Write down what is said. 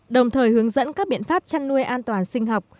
đồng thời hướng dẫn các biện pháp chăn nuôi an toàn sinh học